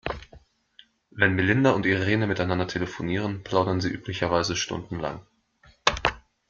Wenn Melinda und Irene miteinander telefonieren, plaudern sie üblicherweise stundenlang.